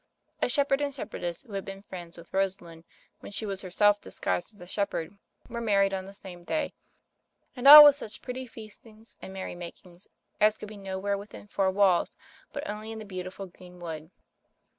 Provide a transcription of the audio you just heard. A shepherd and shepherdess who had been friends with Rosalind, when she was her self disguised as a shepherd, were married on the same day, and all with such pretty feastings and merry makings as could be nowhere within four walls, but only in the beautiful green wood.